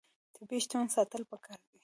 طبیعي شتمنۍ ساتل پکار دي.